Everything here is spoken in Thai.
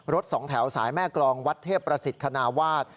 รถสองแถวสายแม่กรองวัดเทพภาษิฐคณาวาส